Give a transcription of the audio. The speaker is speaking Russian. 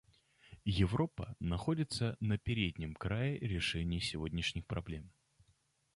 Европа находится на переднем крае решения сегодняшних проблем.